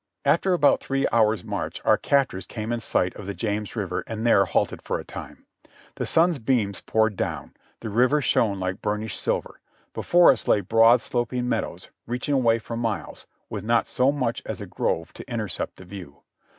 After about three hours' march our captors came in sight of the James River and there halted for a time. The sun's beams poured down ; the river shone like burnished silver ; before us lay broad, sloping meadows, reaching away for miles, with not so much as a grove to intercept the view.